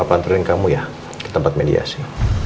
papa anterin kamu ya ke tempat mediasi